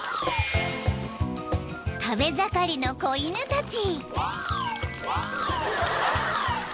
［食べ盛りの子犬たち］